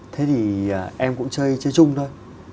thế thì em cũng chơi chung thôi